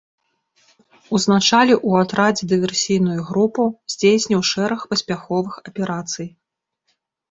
Узначаліў у атрадзе дыверсійную групу, здзейсніў шэраг паспяховых аперацый.